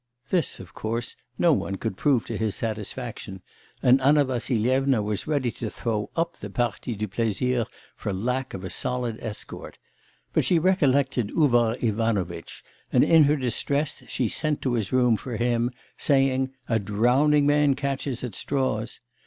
This, of course, no one could prove to his satisfaction, and Anna Vassilyevna was ready to throw up the partie du plaisir for lack of a solid escort; but she recollected Uvar Ivanovitch, and in her distress she sent to his room for him, saying: 'a drowning man catches at straws.